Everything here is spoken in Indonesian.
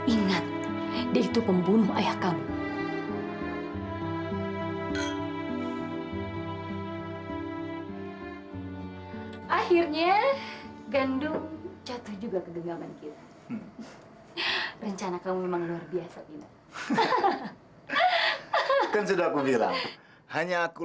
ingat dia itu pembunuh ayah kamu